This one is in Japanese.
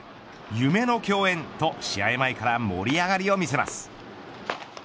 夢の共演と、試合前から盛り上がりを見せます。